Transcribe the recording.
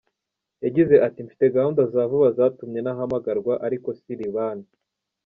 Yagize ati” Mfite gahunda za vuba zatumye ntahamagarwa, ariko si Libani.